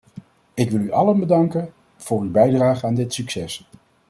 Ik wil u allen danken voor uw bijdrage aan dit succes.